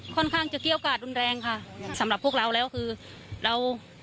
ค่อนข้างจะเกี้ยวกาดรุนแรงค่ะสำหรับพวกเราแล้วคือเรา